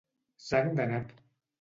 Sang de nap.